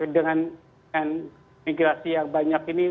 dengan migrasi yang banyak ini